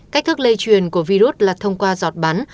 cách thức lây truyền của virus là thông qua giọt bắn